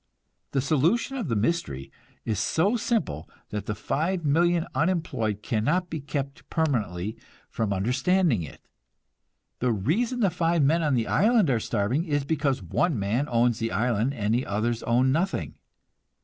The solution of the mystery is so simple that the 5,000,000 unemployed cannot be kept permanently from understanding it. The reason the five men on the island are starving is because one man owns the island and the others own nothing.